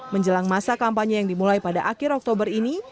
menjelang masa kampanye yang dimulai pada akhir oktober ini